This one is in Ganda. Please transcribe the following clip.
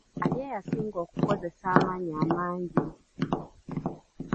Ani eyasinga okukozesa amaanyi amangi?